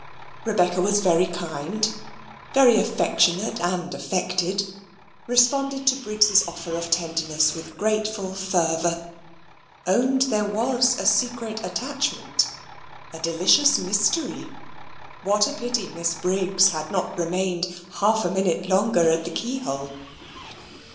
Rebecca was very kind, very affectionate and affected responded to Briggs's offer of tenderness with grateful fervour owned there was a secret attachment a delicious mystery what a pity Miss Briggs had not remained half a minute longer at the keyhole!